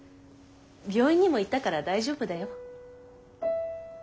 病院にも行ったから大丈夫だよ。